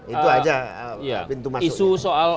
itu aja pintu masuknya